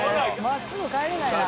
真っすぐ帰れないな。